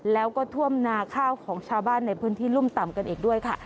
แล้วก็ท่วมนาข้าวของชาวบ้านในพื้นที่รุ่มต่ำกันอีกด้วยค่ะ